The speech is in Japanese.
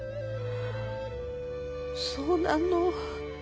そうなの？